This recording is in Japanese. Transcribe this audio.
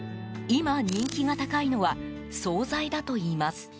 今、人気が高いのは総菜だといいます。